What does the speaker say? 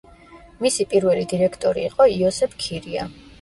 მისი პირველი დირექტორი იყო იოსებ ქირია.